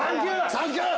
サンキュー！